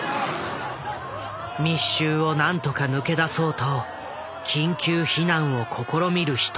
密集を何とか抜け出そうと緊急避難を試みる人も。